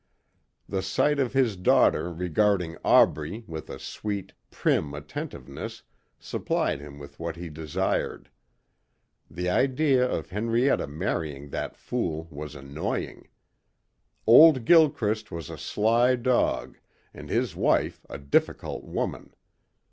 The sight of his daughter regarding Aubrey with a sweet, prim attentiveness supplied him with what he desired. The idea of Henrietta marrying that fool was annoying. Old Gilchrist was a sly dog and his wife a difficult woman.